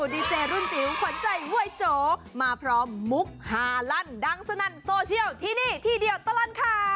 ดีเจรุ่นติ๋วขวัญใจห้วยโจมาพร้อมมุกฮาลั่นดังสนั่นโซเชียลที่นี่ที่เดียวตลอดข่าว